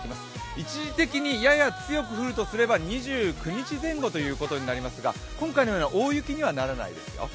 一時的にやや強く降るとすれば２９日前後ということになりますが今回のような大雪にはならないですよ。